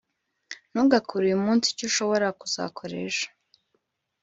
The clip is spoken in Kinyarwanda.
Ntugakore uyu munsi icyo ushobora kuzakora ejo.